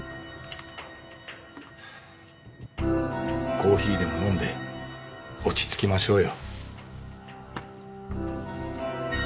コーヒーでも飲んで落ち着きましょうよ。